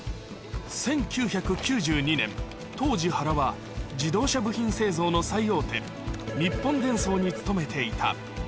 １９９２年、当時、原は、自動車部品製造の最大手、日本電装に勤めていた。